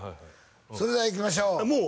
それではいきましょうもう！？